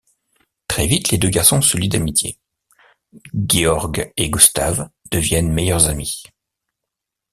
Très vite, les deux garçons se lient d'amitié, Georg et Gustav deviennent meilleurs amis.